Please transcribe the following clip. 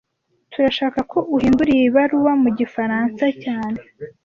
Turashaka ko uhindura iyi baruwa mu gifaransa cyane